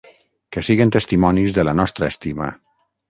Que siguen testimonis de la nostra estima!